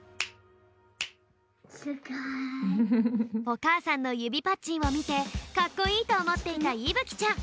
おかあさんのゆびパッチンをみてかっこいいとおもっていたいぶきちゃん。